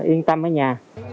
yên tâm ở nhà